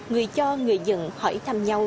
người cho người dân hỏi thăm nhau